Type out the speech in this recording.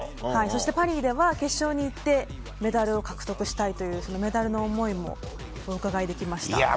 そしてパリでは決勝に行ってメダルを獲得したいというメダルへの思いもお伺いできました。